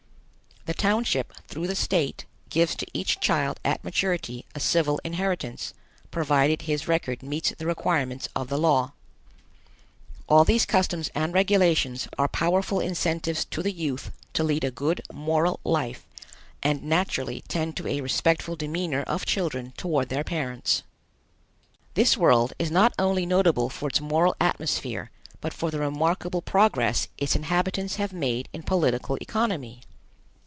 The township, through the state, gives to each child at maturity a civil inheritance, provided his record meets the requirements of the law. All these customs and regulations are powerful incentives to the youth to lead a good moral life and naturally tend to a respectful demeanor of children toward their parents. This world is not only notable for its moral atmosphere, but for the remarkable progress its inhabitants have made in political economy.